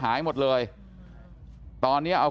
ครับพี่หนูเป็นช้างแต่งหน้านะ